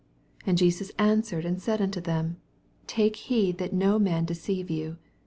4 And Jesus answered a^d said unto them, Take heed that no man deceive you.